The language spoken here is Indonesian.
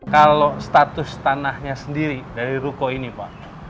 kalau status tanahnya sendiri dari ruko ini pak